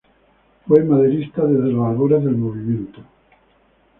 Fue maderista desde los albores del movimiento.